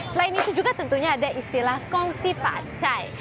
selain itu juga tentunya ada istilah kongsi pancai